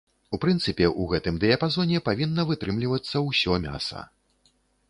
У прынцыпе, у гэтым дыяпазоне павінна вытрымлівацца ўсё мяса.